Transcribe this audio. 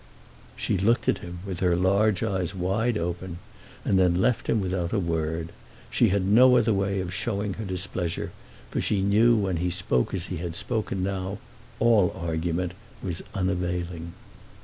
She looked at him with her large eyes wide open, and then left him without a word. She had no other way of showing her displeasure, for she knew that when he spoke as he had spoken now all argument was unavailing.